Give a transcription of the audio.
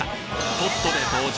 ポットで登場！